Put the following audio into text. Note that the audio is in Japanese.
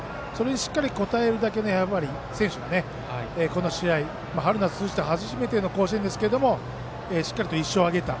しっかり応えるだけの選手がこの試合、春夏通じて初めての甲子園ですが１勝を挙げた。